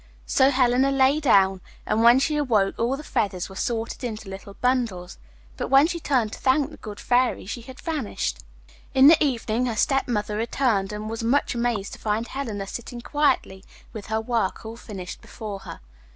So Helena lay down, and when she awoke all the feathers were sorted into little bundles; but when she turned to thank the good Fairy she had vanished. In the evening her stepmother returned and was much amazed to find Helena sitting quietly with her work all finished before her.